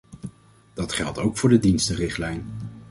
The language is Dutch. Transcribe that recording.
Dat geldt ook voor de dienstenrichtlijn.